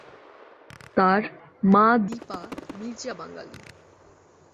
তাঁর মা দীপা মির্জা বাঙালি।